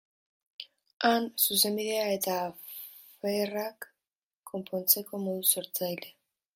Han, Zuzenbidea eta aferak konpontzeko modu sortzailea.